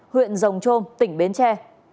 huyện rồng trôm tỉnh bến tre